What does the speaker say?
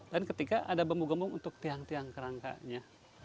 dan ketiga ada bambu gemung untuk tiang tiang kerangkanya